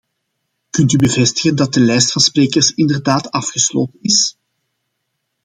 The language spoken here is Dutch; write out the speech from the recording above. Kunt u bevestigen dat de lijst van sprekers inderdaad afgesloten is?